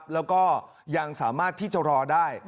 แล้วก็ยังสามารถที่จะรอได้